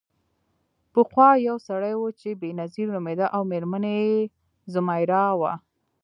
پخوا یو سړی و چې بینظیر نومیده او میرمن یې ځمیرا وه.